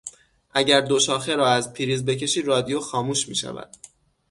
اگر دو شاخه را از پریز بکشی رادیو خاموش میشود.